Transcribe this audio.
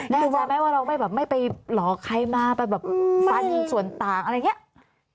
แน่ใจไหมว่าเราไม่ไปหลอกใครมาฟันส่วนต่างอะไรอย่างนี้